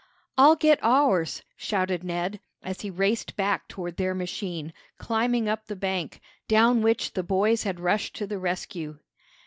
"I'll get ours!" shouted Ned, as he raced back toward their machine, climbing up the bank, down which the boys had rushed to the rescue.